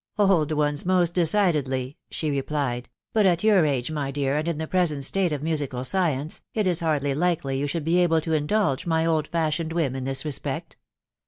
" Old ones most decidedly," she replied. tf But at your age, my dear, and in the present state of musical science, it is hardly likely you should be able to indulge my old fashioned whim in this respect."